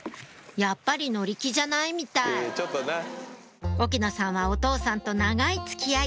やっぱり乗り気じゃないみたい沖野さんはお父さんと長い付き合い